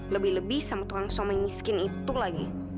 lebih lebih sama tukang suami miskin itu lagi